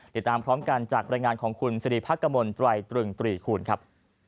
ติดตามพร้อมกันจากรายงานของคุณสิริพักกมลตรายตรึงตรีคูณครับ